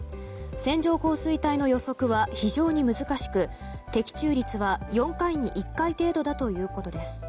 線状降水帯の予測は非常に難しく的中率は４回に１回程度だということです。